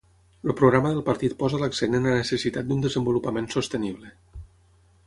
El programa del partit posa l'accent en la necessitat d'un desenvolupament sostenible.